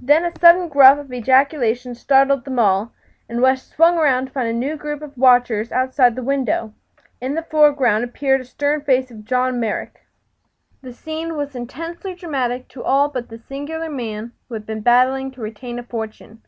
Then a sudden gruff ejaculation startled them all, and West swung around to find a new group of watchers outside the window. In the foreground appeared the stern face of John Merrick. The scene was intensely dramatic to all but the singular man who had been battling to retain a fortune.